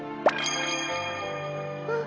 あっ。